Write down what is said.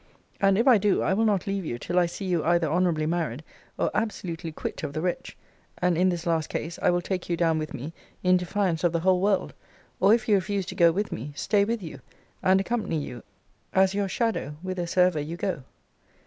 And if I do, I will not leave you till I see you either honourably married, or absolutely quit of the wretch: and, in this last case, I will take you down with me, in defiance of the whole world: or, if you refuse to go with me, stay with you, and accompany you as your shadow whithersoever you go.